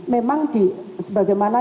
memang di sebagaimana